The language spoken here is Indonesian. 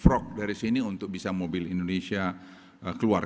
melakukan defrog dari sini untuk bisa mobil indonesia keluar